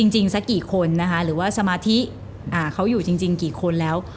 จริงสักกี่คนนะคะหรือว่าสมาธิเขาอยู่จริงกี่คนแล้ว